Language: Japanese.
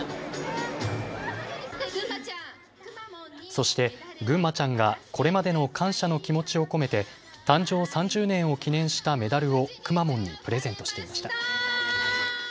そして、ぐんまちゃんがこれまでの感謝の気持ちを込めて誕生３０年を記念したメダルをくまモンにプレゼントしていました。